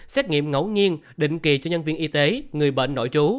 xét nghiệm ngẫu nhiên định kỳ cho nhân viên y tế người bệnh nội trú